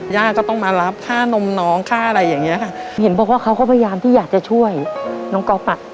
ย่าก็ต้องมารับค่านมน้องค่าอะไรอย่างเงี้ยค่ะเห็นบอกว่าเขาก็พยายามที่อยากจะช่วยน้องก๊อฟอ่ะ